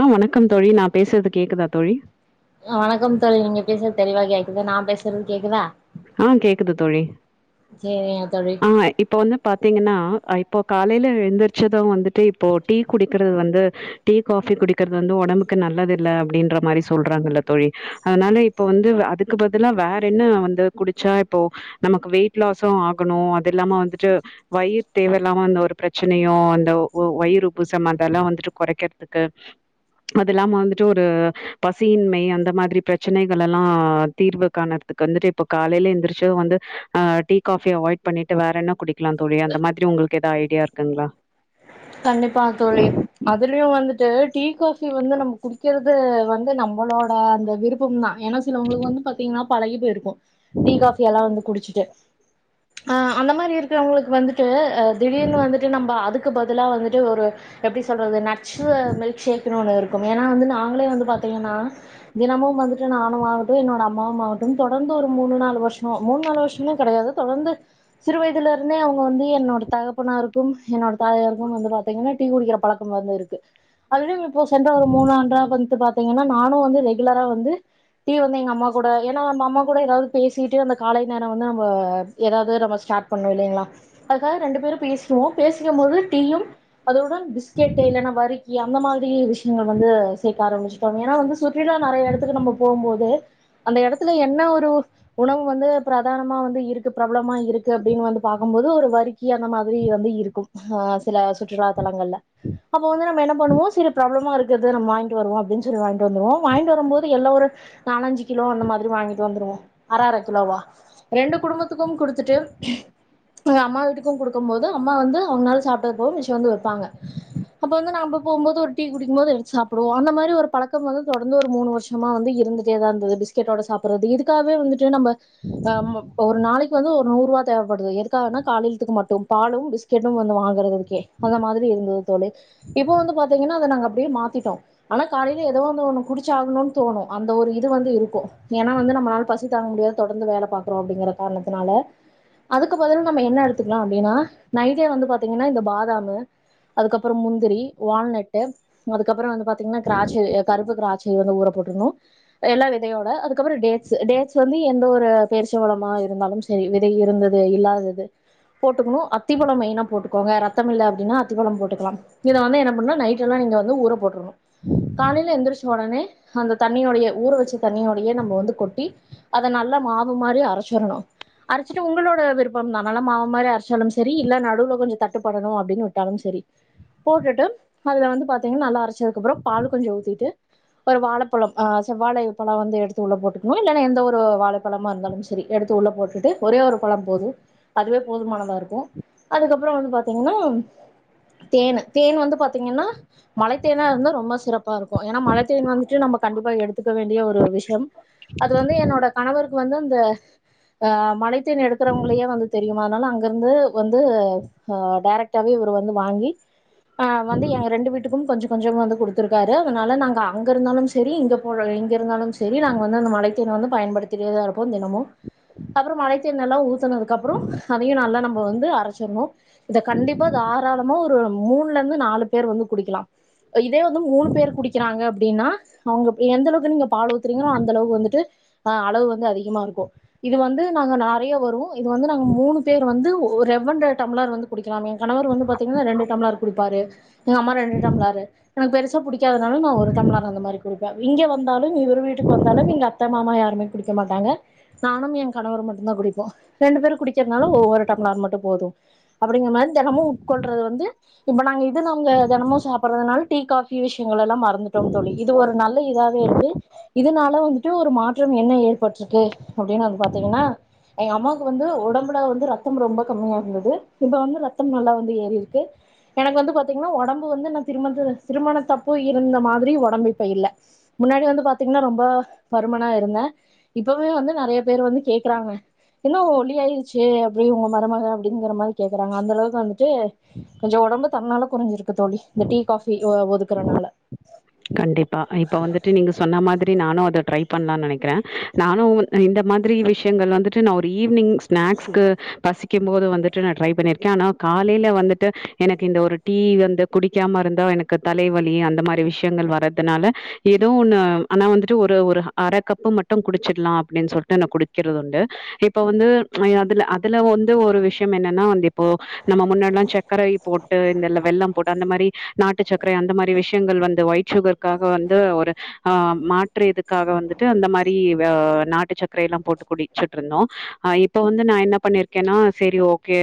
ஆ வணக்கம் தோழி நான் பேசுறது கேக்குதா தோழி கே வணக்கம் தோழி நீங்க பேசுறது தெளிவா கேக்குது நான் பேசுறது கேக்குதா ஆ கேக்குது தோழி சேரிங்க தோழி ஆ இப்ப வந்து பாத்தீங்கன்னா ஆ இப்போ காலையில எழுந்திரிச்சதும் வந்துட்டு இப்போ டீ குடிக்கிறது வந்து டீ காஃபி குடிக்கிறது வந்து ஒடம்புக்கு நல்லது இல்லை அப்டின்ற மாரி சொல்றாங்கல்ல தோழி அதனால இப்போ வந்து அதுக்கு பதிலா வேற என்ன வந்து குடிச்சா இப்போ நமக்கு வெயிட் லாஸும் ஆகணும் அது இல்லாம வந்துட்டு வயிர் தேவ இல்லாம அந்த ஒரு பிரச்சனையும் அந்த வயிறு உப்பசம் அதெல்லாம் வந்துட்டு குறைக்கறதுக்கு அது இல்லாம வந்துட்டு ஒரு பசியின்மை அந்த மாதிரி பிரச்சனைகளல்லாம் தீர்வு காணறதுக்கு வந்துட்டு இப்ப காலையில எந்திரிச்சு வந்து ஆ டீ காபி அவாய்ட் பண்ணிட்டு வேற என்ன குடிக்கலாம் தோழி அந்த மாதிரி உங்களுக்கு எதா ஐடியா இருக்குங்களா கண்டிப்பா தோழி அதுலயும் வந்து ட்டு டீ காபி வந்து நம்ம குடிக்கிறது வந்து நம்மளோட அந்த விருப்பம் தான் ஏன்னா சிலவுங்களுக்கு வந்து பாத்தீங்கன்னா பழகி போயிருக்கும் டீ காபி எல்லாம் வந்து குடிச்ச ஆ அந்த மாதிரி இருக்கிறவங்களுக்கு வந்துட்டு ஆ திடீர்னு வந்துட்டு நம்ப அதுக்கு லாம் வந்துட்டு ஒரு எப்படி ப்படி சொல்றது நட்ஸ் மில்க்ஸேக் ஒண்ணு இருக்கும் ஏன்னா வந்து நான் [unintelligible] வந்து பாத்தீங்கன்னா தினமும் வந்துட்டு நானும் ஆகட்டும் என்னோட அம்மாவும் ஆகட்டும் தொடர்ந்து ஒரு மூணு நாலு வருஷமா மூணு நாலு வருஷமே கடையாது தொடர்ந்து சிறு வயதுலருந்தே அவுங்க வந்து என்னோட தகப்பனா இருக்கும் என்னோட தாயா இருக்கும் வந்து பாத்தீங்கன்னா டீ குடிக்கிற பழக்கம் வந்து இருக்கு அதலயும் இப்போ சென்ற ஒரு மூணுாண்டாக வந் பாத்தீங்கன்னா நானும் வந்து ரெகுலரா வந்து டி வந்து எங்க அம்மா கூட ஏனா நம்ப அம்மா கூட ஏதாவது பேசிட்டு அந்த காலை நேரம் வந்து நம்ப ஏதாவது நம்ப ஸ்டார்ட் பண்ண இல்லீங்களா அதுக்காக ரெண்டு பேரும் பேசுவோம் பேசிக்கும் போது டீயும் அதுடன் பிஸ்கெட் இல்லனா வரிக் அந்த மாதிரி விஷயங்கள் வந்து சேர்க்க ஆரம்பிச்சட்டாங்க ஏன்னா வந்து சுற்றுலா நறைய எடத்துக்கு நம்ப போகும் போது அந்த எடத்துல என்ன ஒரு உணவு வந்து பிரதானமா வந்து இருக்கு பிர்பளமா இருக்கு அப்டின்னு வந்து பாக்கும்போது ஒரு வரிக்கி அந்த மாதிரி வந்து இருக்கும் ஆ சில சுற்றுலா தலங்கள்ல அப்ப வந்து நம்ம என்ன பண்ணுவோம் சரி பிரபலமா இருக்கறது நம்ம வாங்கிட்டு வருவோம் அப்டின்னு சொல்லிட்டு வாங்கிட்டு வந்துருவோம் வாங்கிட்டு வரும்போது எல்லாம் ஒரு நாலு அஞ்சு கிலோ அந்த மாறி வாங்கிட்டு வந்துருவோம் அரை அரை கிலோவா ரெண்டு குடும்பத்துக்கும் குடுத்துட்டு அம்மா வீட்டுக்கும் குடுக்கும் போது அம்மா வந்து உன்னால சா போனிஷ் வந்து வெப்பாங்க அப்ப வந்து நான் போகும் போது ஒரு டீ குடிக்கும்போது எடுத்து சாப்பிடுவோம் அந்த மாறி ஒரு பழக்கம் வந்து தொடர்ந்து ஒரு மூணு வருஷமா வந்து இருந்துட்டே தான் இருந்தது பிஸ்கெட்டோட சப்பறது இதுக்காகவே வந்துட்டு நாம ஒரு நாளைக்கு ஒரு நூறு ரூபா தேவ படுது எதுக்காகண்ணா காலைலத்துக்கு மட்டும் பாலும் பிஸ்கட்டும் வந்து வாங்கறதுக்கு ஓகே அந்த மாதிரி இருந்தது தோழி இப்ப வந்து பாத்திங்கன்னா அத நாங்க அப்படியே மாத்திட்டோம் ஆனா காலையில ஏதாவது ஒன்னு குடிச்சாகணும் தோணும் அந்த ஒரு இது வந்து இருக்கும் ஏன்னா வந்து நம்மளால பசி தாங்க முடியாது தொடர்ந்து வேலை பாக்றோம் அப்படிங்கிற காரணத்தினால அதுக்கு பதில நம்ம என்ன எடுத்துக்கலாம் அப்பனா நைட்டே வந்து பாத்திங்கன பாதம்மு அதுக்கப்புறம் முந்திரி வால்நட்டு அதுக்கப்புறம் வந்து பாத்திங்கனா திருச்சை யோ கருப்பு திராட்சை வந்து ஊறப் போற்றனும் எல்லா விதையோட அதுக்கப்றம் டேட்ஸ் டேட்ஸ் வந்து எந்த ஒரு பேரிச்சபளமா இருந்தாலும் சரி விதை இருந்தது விதை இல்லாதது போட்டுக்கணும் அத்திப்பழ மெயினா போட்டுக்க [unintelligible] தமிழ் அப்படின்னா அத்திப்பழம் போட்டு லாம் இதை வந்து என்ன பண்ணுனா நைட் இதெல்லா நீங்க வந்து ஊர போற்றனும் காலையில எந்திரிச்ச உடனே அந்த தண்ணியோடையே ஊற வச்ச தண்ணியோடைய நம்ம வந்து கொட்டி அதை நல்லா மாவு மாதிரி அரைச்சரணும் அரைச்சிட்டு உங்களோட விருப்பம் தான் நல்ல மாவு மாதிரி அரைச்சாலும் சரி இல்ல நடுவுல்ல கொஞ்சம் த படணும் அப்படின்னு விட்டாலும் சரி போட்டுட்டு அதுல வந்து பாத்தீங்கன்னா நல்லா அரச்ச அதுக்கப்புறம் பால் கொஞ்ச ஊத்திட்டு ஒரு வாழைப்பழம் ஆஹ் செவ்வாழை பழம் வந்து எடுத்து உள்ள போட்டுக்கணும் இல்லைன்னா எந்த ஒரு வாழைப்பழமா இருந்தாலும் சரி எடுத்து உள்ள போட்டுட்டு ஒரே ஒரு பழம் போதும் அதுவே போதுமானதா இருக்கும் அதுக்கப்புறம் வந்து பா த்திங்னா தேனு தேன் வந்து பார்த்தீங்கன்னா மலை தேனா இருந்தா ரொம்ப சிறப்பு ப்பா இருக்கும் ஏன்னா மலைத்தேன் வந்துட்டு நம்ம கண்டிப்பா எடுத்துக்க வேண்டிய ஒரு விஷயம் அது வந்து என்னோட கணவருக்கு வந்து அந்த ஆஹ் மலைத்தேன் எடுக்கிறவங்களையே வந்து தெரியும் அதனால அங்கிருந்து வந்து ஆஹ் டைரக்டாவே இவர் வந்து வாங்கி ஆஹ் வந்து எங்க ரெண்டு வீட்டுக்கும் கொஞ்சம் கொஞ்சம் வந்து கொடுத்துருக்காரு அதனால நாங்க அங்க இருந்தாலும் சரி இங்க போ இங்க இருந்தாலும் சரி நாங்க வந்து அந்த மலைத்தேண்ண வந்து பயன்படுத்திட்டதா இருப்போம் தினமும் அப்புறம் மலைத்தேன் எல்லாம் ஊத்தனதுக்கு அப்புறம் அதையும் நல்லா நம்ம வந்து அரைச்சிரணும் இத கண்டிப்பா தாராளமா ஒரு மூணுல இருந்து நாலு பேர் வந்து குடிக்கலாம் இதே வந்து மூணு பேர் குடிக்கிறாங்க அப்படின்னா அவங்க எந்தளவுக்கு நீங்க பால் ஊத்துறீங்களோ அந்த அளவுக்கு வந்துட்டு அஹ் அளவு வந்து அதிகமா இருக்கும் இது வந்து நாங்க நிறைய வரும் இது வந்து நாங்க மூணு பேர் வந்து ரேவ் வண்டு டம்ளர் உள்ளாரா வந்து குடிக்கலாமே என் கணவர் வந்து பாத்தீன்னா ரெண்டு டம்ளர் குடிப்பாரு எங்க அம்மா ரெண்டு டம்ளர் எனக்கு பெருசா பிடிக்காதனால ஒரு டம்ளர் அந்த மாதிரி குடிப்பேன் இங்க வந்தாலும் இவரு வீட்டுக்கு வந்தாலும் இங்க அத்த மாமா யாருமே குடிக்க மாட்டாங்க நானும் என் கணவர் மட்டும் தான் குடிப்போம் ரெண்டு பேரும் குடிக்கிறதுனால ஒவ்வொரு டம்ளர் மட்டும் போதும் அப்படிங்கிற மாதிரி தினமும் உட்கொள்றது வந்து இப்ப நாங்க இது நம்ம தினமும் சாப்பிடுறதுனால டீ காஃபி விஷயங்கள் எல்லாம் மறந்துட்டோம் தோழி இது ஒரு நல்ல இதாவே இருக்கு இதனால வந்துட்டு ஒரு மாற்றம் என்ன ஏற்பட்டிருக்கு அப்படின்னு வந்து பாத்தீங்கன்னா எங்க அம்மாவுக்கு வந்து உடம்புல வந்து ரத்தம் ரொம்ப கம்மியா இருந்தது இப்ப வந்து ரத்தம் நல்லா வந்து ஏறி இருக்கு எனக்கு வந்து பாத்தீங்கன்னா உடம்பு வந்து நான் திருமண திருமண தப்போ இருந்த மாதிரி உடம்பு இப்போ இல்ல முன்னாடி வந்து பாத்தீங்கன்னா ரொம்ப பருமனா இருந்த இப்பமே வந்து நிறைய பேர் வந்து கேக்குறாங்க என்ன ஒல்லியா ஆயிடுச்சு அப்படி உங்க மருமக அப்படிங்குற மாதிரி கேக்குறங்க அந்தளவு ட்டு கொஞ்சம் உடம்பு தன்னால குறைஞ்சிருக்கு தோழி இந்த டீ காஃபி ஒதுக்குரனால கண்டிப்பா இப்ப வந்துட்டு நீங்க சொன்ன மாதிரி நானும் அதை ட்ரை பண்ணலாம்னு நினைக்கிறேன் நானும் இந்த மாதிரி விஷயங்கள் வந்துட்டு நான் ஒரு ஈவினிங் ஸ்நாக்ஸ்க்கு பசி குடிக்கும் போது வந்துட்டு நான் ட்ரை பண்ணியிருக்கேன் ஆனா காலையில வந்துட்டு எனக்கு இந்த ஒரு டீ வந்து குடிக்காம இருந்தா எனக்கு தலைவலி அந்த மாதிரி விஷயம் விஷயங்கள் வரதுனால ஏதோ ஒன்னு ஆனா வந்துட்டு ஒரு அரை கப்பு மட்டும் குடிச்சிடலாம் அப்படின்னு சொல்லிட்டு குடிக்கிறதுண்டு இப்ப வந்து அதுல அதுல வந்து ஒரு விஷயம் என்னன்னா வந்து இப்போ நம்ம முன்னாடிலாம் சர்க்கரை போட்டு இந்த வெள்ளம் போட்டு அந்த மாதிரி நாட்டு சர்க்கரை அந்த மாதிரி விஷயங்கள் வந்துட்டு இந்த ஒயிட் சுகருாக வந்து ஒரு ஆஹ மாற்று இதுக்காக வந்துட்டு அந்த மாதிரி நாட்டு சக்கரையெல்லாம் போட்டு குடிச்சுட்டு இருந்தோம் இப்ப வந்து நான் என்ன பண்ணிருக்கேன்னா சரி ஓகே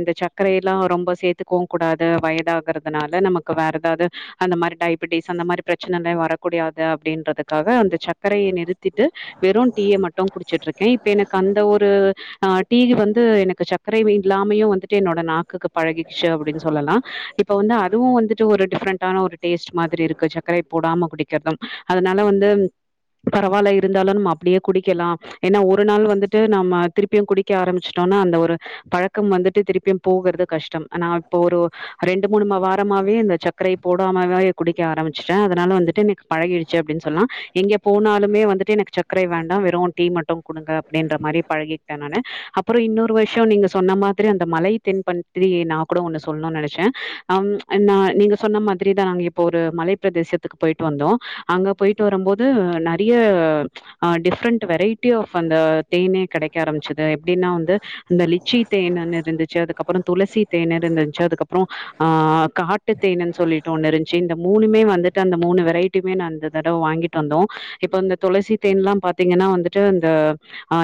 இந்த சர்கரையெல்லாம் ரொம்ப சேர்த்துக்கவும் கூடாது வயதாகறதுனால நமக்கு வேற ஏதாவது அந்த மாதிரி டய படிஸ் அந்த மாதிரி பிரச்சனை வரக்கூடியாது அப்படின்றதுக்காக அந்த சர்க்கரையை நிறுத்திட்டு வெறும் டீய மட்டும் குடிச்சுட்டு இருக்கேன் இப்ப எனக்கு அந்த ஒரு டீ வந்து எனக்கு சர்க்கரை இல்லாமயு வந்துட்டு என்னோட நாக்குக்கு பழகிச்சு அப்டின்னு சொல்லலா இப்ப வந்து அதுவும் வந்துட்டு ஒரு டிஃப்ரெண்டான ஒரு டேஸ்ட் மாதிரி இருக்கு சர்க்கரை போடாம குடிக்கிறதும் அதனால வந்து பரவாயில்ல இருந்தாலும் நம்ம அப்படியே குடிக்கலாம் ஏன்னா ஒரு நாள் வந்துட்டு நம்ம திருப்பியும் குடிக்க ஆரம்பிச்சிட்டோம்னா அந்த ஒரு பழக்கம் வந்துட்டு திருப்பியும் போகறது கஷ்டம் ஆனா இப்போ ஒரு ரெண்டு மூணு வாரமாவே இந்த சர்க்கரை போடாமவே குடிக்க ஆரம்பிச்சுட்டே அதனால வந்துட்டு எனக்கு பழகிடுச்சு அப்படின்னு சொல்லலாம் எங்க போனாலுமே வந்துட்டு எனக்கு சர்க்கரை வேண்டாம் வெறும் டீ மட்டும் கொடுங்க அப்படின்ற மாதிரி பழகிட்டேன் நானு அப்புறம் இன்னொரு விஷயம் நீங்க சொன்ன மாதிரி அந்த மலை தென் பண்ணி நான் கூட ஒன்னு சொல்லணும் நினைச்சேன் நீங்க சொன்ன மாதிரி தான் நாங்க இப்போ ஒரு மலைப் பிரதேசத்துக்கு போயிட்டு வந்தோம் அங்க போயிட்டு வரும்போது நிறைய டிஃப்ரெண்ட் வெரைட்டி ஆஃப் அந்த தேனே கிடைக்க ஆரம்பிச்சுது எப்படின்னா வந்து இந்த லிச்சி தேன்னு இருந்துச்சு அதுக்கப்புறம் துளசி தேன் இருந்துச்சு அதுக்கப்புறம் ஆஹ் காட்டு தேன்னு சொல்லிட்டு ஒன்னு இருந்து இந்த மூணுமே வந்துட்டு அந்த மூணு வெரைட்டியுமே ந இந்த தடவ வாங்கிட்டு வந்தோம் இப்ப இந்த துளசி தேன்ல்லாம் பாத்தீங்கன்னா வந்துட்டு அந்த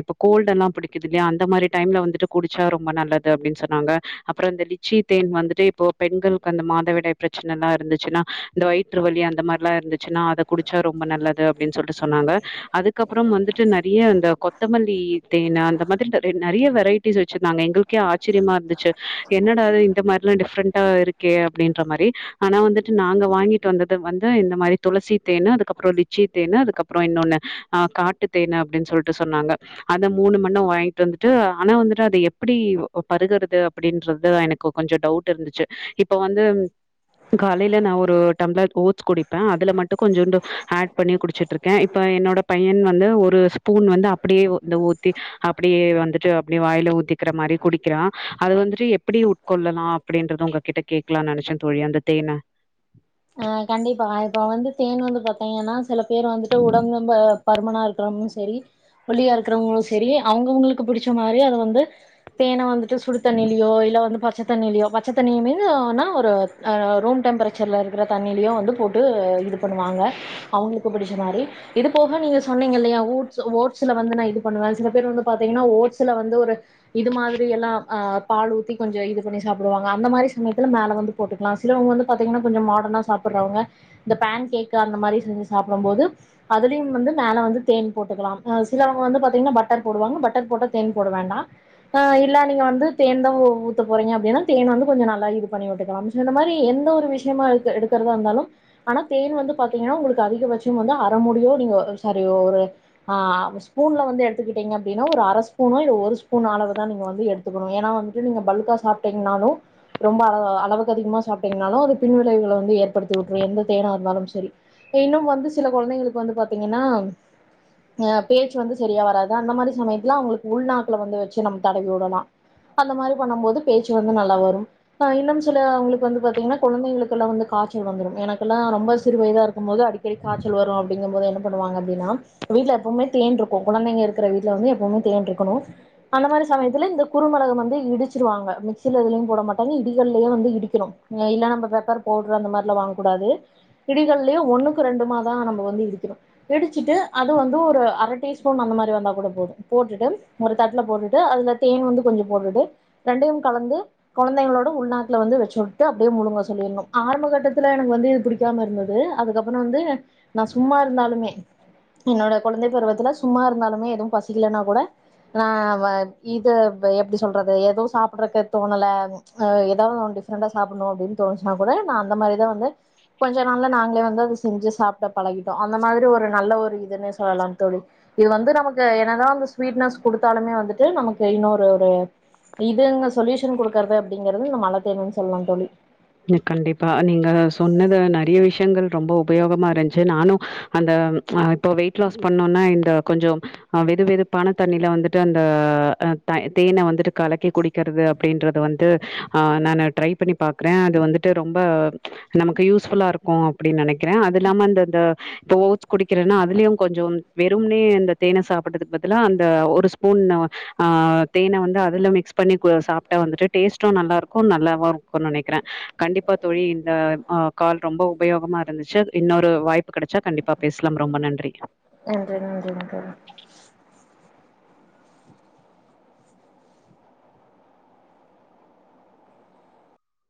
இப்ப கோல்டு எல்லாம் பிடிக்குது இல்லையா அந்த மாதிரி டைம்ல வந்துட்டு குடிச்சா ரொம்ப நல்லது அப்டின்னு சொன்னாங்க அப்புறம் இந்த லிச்சி தேன் வந்துட்டு இப்போ பெண்களுக்கு அந்த மாதவிடாய் பிரச்சனை எல்லாம் இருந்துச்சு ச்சுனா இந்த வயிற்றுவலி அந்த மாரிலா இருந்துச்சுனா அத குடிச்சா ரொம்ப நல்லது அப்டின் சொல்ட்டு சொன்னாங்க அதுக்கப்ற வந்துட்டு நறைய அந்த கொத்தமல்லி தேன் அந்த மாரி நறைய வெரைட்டிஸ் வச்சிருந்தாங்க எங்ளுக்கே ஆச்சரியமாருந்துச்சு என்னடா இது இந்த மாரிலா டிஃப்ரண்டா இருக்கே அப்டின்ற மாரி ஆனா வந்து ட்டு நாங்க வாங்கிட்டு வந்தது வந்து இந்த மாரி துளசி தேன் அதுக்கப்ரோ லிச்சி தேனு அதுக்கப்ரோ இன்னொன்னு ஆ காட்டு தேனு அப்டின் சொல்ட்டு சொன்னாங்க அத மூணு மண் வாங்கிட்டு வந்துட்டு ஆனா வந்துட்டு அது எப்டி பருகறது அப்டின்றது எனக்கு கொஞ்சோ டவுட் இருந்துச்சு இப்ப வந்து காலைல நா ஒரு டம்ளர் ஓட்ஸ் குடிப்ப அதுல மட்டு கொஞ்சோண்டு ஆட் பண்ணி குடிச்சட்ருக்கே இப்ப என்னோட பையன் வந்து ஒரு ஸ்பூன் வந்து அப்டியே ஊ இந் ஊத்தி அப்டியே வந்துட்டு அப்டியே வாயில ஊத்திக்கற மாரி குடிக்கிறா அது வந்துட்டு எப்டி உட்கொள்ளலா அப்டின்றது உங்க கிட்ட கேட்கலா நெனச்ச தோழி அந்த தேனு ஆ கண்டிப்பா இப்ப வந்து தேன் வந்து பாத்தீங்கனா சில பேர் வந்துட்டு உடம்பு ரொம்ப பருமனா இருக்றவங்களு செரி ஒல்லியா இருக்றவங்களு செரி அவங்கவுங்களுக்கு புடிச்ச மாரி அத வந்து தேன வந்துட்டு சுடு தண்ணிலயோ இல்ல வந்து பச்ச தண்ணிலயோ பச்ச தண்ணிய மீது னா ஒரு ஆ ரூம் டெம்பரேச்சர்ல குற தண்ணிலயோ வந்து போட்டு இது பண்ணுவாங்க அவங்ளுக்கு புடிச்ச மாரி இது போக நீங்க சொன்னீங்க இல்லயா உட்ஸ் ஓட்ஸ்ல வந்து நா இது பண்ணுவே சில பேர் வந்து பாத்தீங்கன்னா ஓட்ஸ்ல வந்து ஒரு இது மாதிரி எல்லா ஆ பால் ஊத்தி கொஞ்சோ இது பண்ணி சாப்டுவாங்க அந்த மாதிரி சமயத்துல மேல வந்து போட்டுக்கலா சிலவங்க வந்து பாத்தீங்கனா கொஞ்சோ மா பண்ணா சாப்புட்றவங்க இந்த பேன் கேக்கு அத மாரி செஞ்சு சாப்டம்போது அதுலயு வந்து மேல வந்து தேன் போட்டுக்கலா சிலவங்க வந்து பாத்தீங்கன்னா பட்டர் போடுவாங்க பட்டர் போட்டா தேன் போட வேண்டா ஆ இல்ல நீங்க வந்து தேன் தா ஊத்த போறீங்க அப்டின்னா தேனு வந்து கொஞ்சோ நல்லா இது பண்ணி வுட்டுக்கலா சோ இந்த மாரி எந்த ஒரு விஷயமா இருந் த எடுக்ரதா இருந்தாலு ஆனா தேன் வந்து பாத்தீங்கன்னா உங்ளுக்கு அதிகபட்ச வந்து அர மூடியோ நீங்க சாரி ஒரு ஆ ஸ்பூன்ல்ல வந்து எடுத்துட்டீங்க அப்டின்னா ஒரு அர ஸ்பூனோ இல்ல ஒரு ஸ்பூன் அளவு தான் நீங்க வந்து எடுத்துக்கணு ஏனா வந்து நீங்க பல்க்கா சாப்ட்டீங்கனாலு ரொம்ப அளவுக்கு அதிகமா சாப்டீங்கனாலு அது பின் விளைவுகள வந்து [unintelligible] ஏற்படுத்திவுட்ரு எந்த தேனா இருந்தாலு சரி இன்னு வந்து சில கொழந்தைகளுக்கு வந்து பாத்தீங்கன்னா ஆ பேச்சு வந்து சரியா வராது அந்த மாரி சமயத்துல உங்களுக்கு உள்நாக்குல வந்து வச்சு நம்ம தடவி வுடலா அந்த மாரி பண்ணும் போது பேச்சு வந்து நல்லா வரும் ஆ இன்னு சிலவங்களுக்கு பாத்தீங்கன்னா குழந்தைகளுக்குலா வந்து காய்ச்சல் வந்துரு எனக்குலா ரொம்ப சிறு வயதா க்க போது அடிக்கடி காய்ச்சல் வரு அப்டிங்க போது என என்ன பண்ணுவாங்க அப்டினா இப்ப வீட்ல எப்புமே தேன்ருக்கு குழந்தைங்க இருக்குற வீட்ல வந்து எப்புமே தேன் இருக்கணு அந்த மாரி சமயத்துல இந்த குறு மிளக வந்து இடிச்சிடுவாங்க மிக்ஸில எதுலயு போட மாட்டாங்க இடிக்கல்லயே வந்து இடிக்கணு இல்லன்னா நம்ப பெப்பர் போ [unintelligible] அந்த மாரிலா வாங் கூடாது இடிகல் யோ ஒன்னுக்கு ரெண்டுமா தா நம்ம வந்து இடிக்குனு இடிச்சிட்டு அது வந்து ஒரு அர டீஸ்பூன் அந்த மாரி வந்தா கூட போது போட்டுட்டு ஒரு தட்ல போட்டுட்டு அதுல தேன் வந்து கொஞ்ச போட்டுட்டு ரெண்டயு கலந்து கொழந்தைங்களோட உள்நாக்குல வந்து வச்சுட்டுட்டு அப்டியே முழுங்க சொல்லிட்ணு ஆரம்ப கட்டத்துல எனக்கு வந்து இது புடிக்காம இருந்துது அதுக்கப்ற வந்து நா சும்மா இருந்தாலுமே என்னோட கொழந்தைக்கு ஒரு வெத்தல சும்மா இருந்தாலுமே எது பசிக்கலனா கூட நா வ இது எப்டி சொ சொல்றது எது சாப்புடறக்கே தோணல ஏதாவது டிஃப்ரெண்டா சாப்பிடணு அப்டினு தோணுச்னா கூட நா அந்த மாரிதா வந்து கொஞ்ச நாள்ல நாங்களே வந்து அத செஞ்சு சாப்டே பழகிட்டோ அந்த மாரி ஒரு நல்ல ஒரு இதுன்னே சொல்லலா தோழி இது வந்து நமக்கு என்னதா வந்து ஸ்வீட்னஸ் குடுத்தாலுமே வந்துட்டு நமக்கு இன்னொரு ஒரு இதுங்க சொல்யூஷன் குடுக்கறது அப்டிங்கறது இந்த மலத்தேனுனு சொல்லலா தோழி கண்டிப்பா நீங்க சொன்னத நா நெறைய விஷயங்கள் ரொம்ப உபயோகமாருந்துச்சு நானு அந்த ஆ இப்ப வெயிட் லாஸ் பண்ணோனா இந்த கொஞ்சோ ஆ வெது வெதுப்பான தண்ணில வந்துட்டு அந்த த தேன வந்துட்டு கலக்கி குடிக்கிறது அப்டின்றது வந்து ஆ நா ட்ரை பண்ணிபாப் ரே அது வந்துட்டு ரொம்ப நமக்கு யூஸ்புஃல்லாருக்கு அப்டின் நெனைக்றே அது இல்லாம அந்தந்த இப்ப ஓட்ஸ் குடிக்கறன்னா அதுலயு கொஞ்சோ வெறும்னே அந்த தேன சாப்பிட்டதுக்கு பதிலா அந்த ஒரு ஸ்பூன் ஆ தேன வந்து அதுல மிக்ஸ் பண்ணி கு சாப்ட்டா வந்துட்டு டேஸ்ட்டு நல்லாருக்கு நல்லாவா இருக்கு நெனைக் ரே கண்டிப்பா தோழி இந்த ஆ கால் ரொம்ப உபயோகமாருந்துச்சு இன்னொரு வாய்ப்பு கெடைச்சா கண்டிப்பா பேசலாம் ரொம்ப நன்றி நன்றி நன்றிங்க தோழி